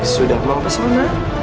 sudah mau pesona